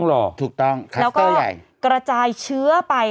แล้วก็กระจายเชื้อไป